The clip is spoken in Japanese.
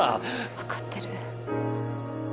わかってる。